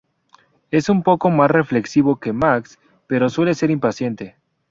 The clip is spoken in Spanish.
Es un poco más reflexivo que Max, pero suele ser impaciente.